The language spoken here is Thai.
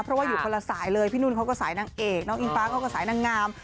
เพราะว่าอยู่คนละสายเลยพี่นุ่นเขาก็สายนางเอกน้องอิงฟ้าเขาก็สายนางงาม